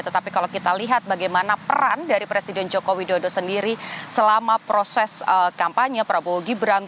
tetapi kalau kita lihat bagaimana peran dari presiden joko widodo sendiri selama proses kampanye prabowo gibran